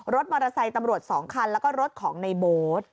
รถมอเตอร์ไซค์ตำรวจ๒คันแล้วก็รถของในโบ๊ท